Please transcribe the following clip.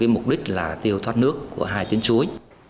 mục đích là tiêu thoát nước của hai tuyến suối